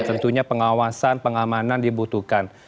tentunya pengawasan pengamanan dibutuhkan